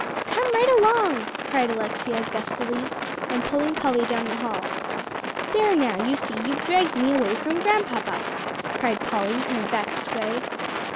"Come right along," cried Alexia gustily, and pulling Polly down the hall. "There now, you see, you've dragged me away from Grandpapa," cried Polly in a vexed way.